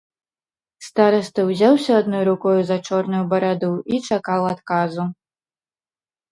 Стараста ўзяўся адной рукою за чорную бараду і чакаў адказу.